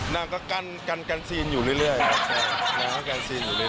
นางก็กันซีนอยู่เรื่อย